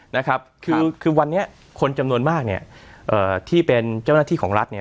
นะครับคือคือวันนี้คนจำนวนมากเนี่ยเอ่อที่เป็นเจ้าหน้าที่ของรัฐเนี่ย